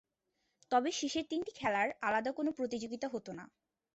তবে শেষের তিনটি খেলার আলাদা কোনো প্রতিযোগিতা হত না।